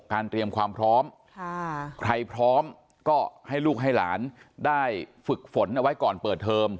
เตรียมความพร้อมใครพร้อมก็ให้ลูกให้หลานได้ฝึกฝนเอาไว้ก่อนเปิดเทอม